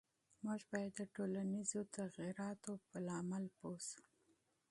موږ باید د ټولنیزو بدلونونو په علتونو پوه شو.